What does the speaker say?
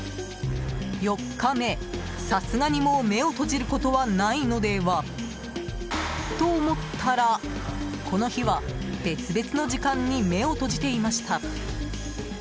４日目、さすがにもう目を閉じることはないのでは。と、思ったらこの日は別々の時間に目を閉じていました。